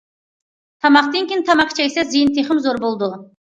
تاماقتىن كېيىن تاماكا چەكسە، زىيىنى تېخىمۇ زور بولىدۇ.